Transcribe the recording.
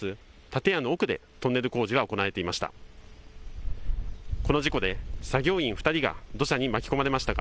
建屋の奥でトンネル工事が行われていました。